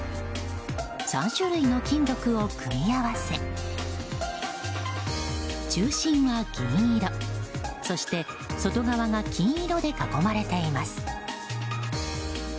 ３種類の金属を組み合わせ中心が銀色、そして外側が金色で囲まれています。